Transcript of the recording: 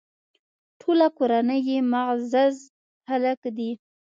ټوله کورنۍ یې معزز خلک دي.